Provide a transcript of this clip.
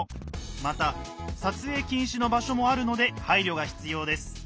また撮影禁止の場所もあるので配慮が必要です。